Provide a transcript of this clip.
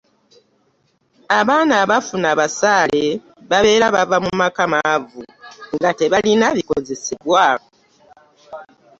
Abaana abafuna basale babeera bava mu maka maavu nga tebalina bikozesebwa.